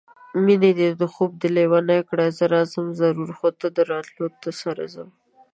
مېنې دې خوب دې لېونی کړه زه راځم ضرور خو د راتلو سره ځم